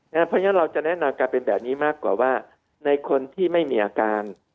เพราะฉะนั้นเราจะแนะนำการเป็นแบบนี้มากกว่าว่าในคนที่ไม่มีอาการ